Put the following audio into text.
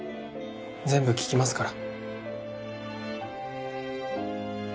全部聞きますから。